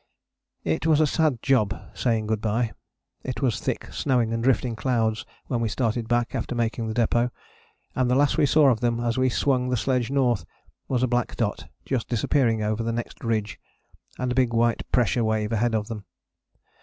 "It was a sad job saying good bye. It was thick, snowing and drifting clouds when we started back after making the depôt, and the last we saw of them as we swung the sledge north was a black dot just disappearing over the next ridge and a big white pressure wave ahead of them....